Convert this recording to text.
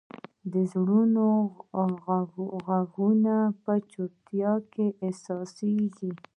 د زړونو ږغونه په چوپتیا کې احساسېږي.